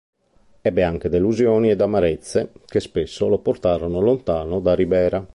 Ebbe anche delusioni ed amarezze, che spesso, lo portarono lontano da Ribera.